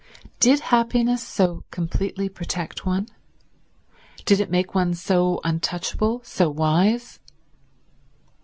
Did happiness so completely protect one? Did it make one so untouchable, so wise?